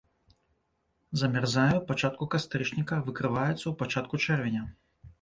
Замярзае ў пачатку кастрычніка, выкрываецца ў пачатку чэрвеня.